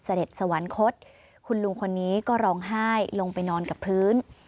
สวรรคตคุณลุงคนนี้ก็ร้องไห้ลงไปนอนกับพื้น